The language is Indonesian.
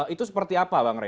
itu seperti apa bang rey